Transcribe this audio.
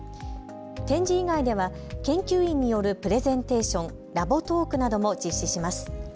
展示以外では研究員によるプレゼンテーションラボトークなども実施します。